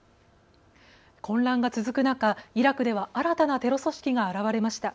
混乱が続く中、イラクでは新たなテロ組織が現れました。